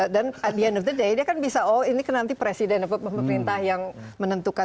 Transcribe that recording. dan at the end of the day dia kan bisa oh ini kan nanti presiden atau pemerintah yang menentukan